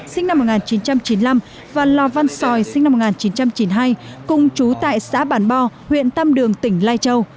sinh năm một nghìn chín trăm chín mươi năm và lò văn sòi sinh năm một nghìn chín trăm chín mươi hai cùng chú tại xã bản bo huyện tam đường tỉnh lai châu